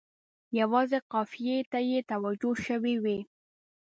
یوازې قافیې ته یې توجه شوې وي.